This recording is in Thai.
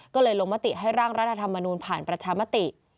ก็เลยลงมติให้ร่างรัฐธรรมนูญผ่านประชามติ